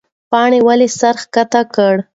پاڼې ولې سر ښکته کړ؟